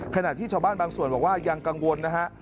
ขณะที่ชาวบ้านบางส่วนบอกว่ายังกังวลนะฮะ